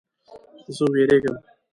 زه ویریږم